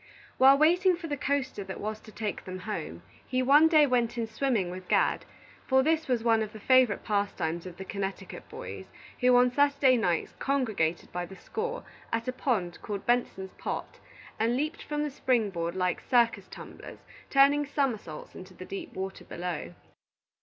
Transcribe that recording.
While waiting for the coaster that was to take them home, he one day went in swimming with Gad; for this was one of the favorite pastimes of the Connecticut boys, who on Saturday nights congregated by the score at a pond called Benson's Pot, and leaped from the spring board like circus tumblers, turning somersaults into the deep water below.